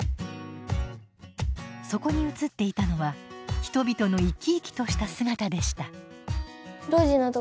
そこに写っていたのは人々の生き生きとした姿でした。